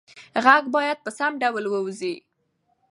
غږ باید په سم ډول ووځي.